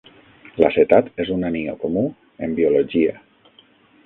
L'acetat és un anió comú en biologia.